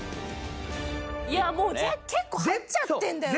いやもう結構入っちゃってんだよな。